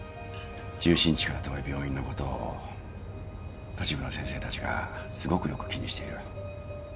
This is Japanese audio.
中心地から遠い病院のことを都市部の先生たちがすごくよく気にしている。